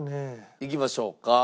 いきましょうか。